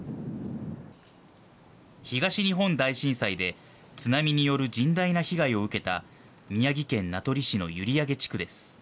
東日本大震災で、津波による甚大な被害を受けた宮城県名取市の閖上地区です。